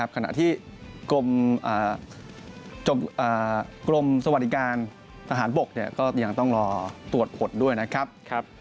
ขณะที่กรมสวัสดิการทหารบกก็ยังต้องรอตรวจผลด้วยนะครับ